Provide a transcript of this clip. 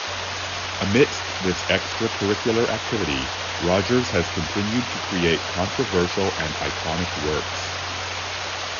Amidst this extra-curricular activity, Rogers has continued to create controversial and iconic works.